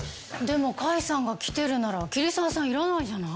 でも甲斐さんが来てるなら桐沢さんいらないじゃない。